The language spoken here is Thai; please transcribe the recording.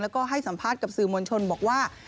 แล้วก็ให้สัมภาษณ์กับสื่อมวลชนบอกว่า